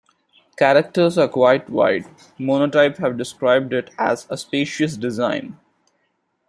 Characters are quite wide; Monotype have described it as a "spacious" design.